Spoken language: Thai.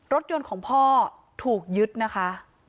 รถยนต์ของพ่อถูกยึดนะคะ